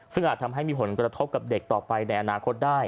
ซึ่งอาจทำให้มีผลกระทบกับเด็กต่อไปในอนาคตได้